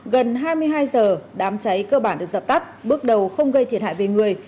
gần hai mươi hai giờ đám cháy cơ bản được dập tắt bước đầu không gây thiệt hại về người